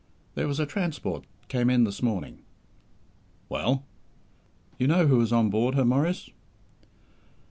"There was a transport came in this morning." "Well?" "You know who was on board her, Maurice!"